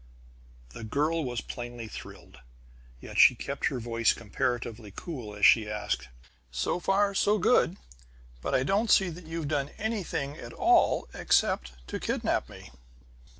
The girl was plainly thrilled. Yet she kept her voice comparatively cool as she asked: "So far, so good. But I don't see that you've done anything at all except to kidnap me."